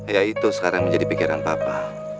ya itu sekarang menjadi pikiran bapak